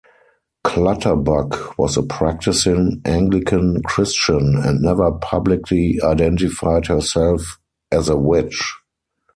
Clutterbuck was a practising Anglican Christian, and never publicly identified herself as a witch.